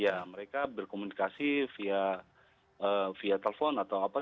ya mereka berkomunikasi via telepon atau apa